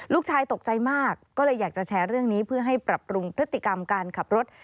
ลูกชายตกใจมากก็เลยอยากจะแชร์เรื่องนี้เพื่อให้ปรับปรุงพฤติกรรมการขับรถ